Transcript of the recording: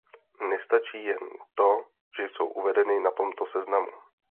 Nestačí jen to, že jsou uvedeny na tomto seznamu.